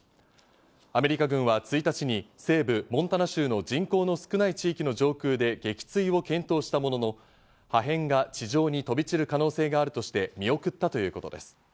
アメリカ軍は１日に西部モンタナ州の人口の少ない地域の上空で撃墜を検討したものの、破片が地上に飛び散る可能性があるとして見送ったということです。